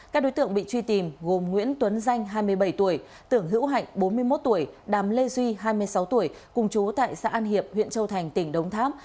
các đối tượng bị truy tìm gồm nguyễn tuấn danh hai mươi bảy tuổi tưởng hữu hạnh bốn mươi một tuổi đàm lê duy hai mươi sáu tuổi cùng chú tại xã an hiệp huyện châu thành tỉnh đống tháp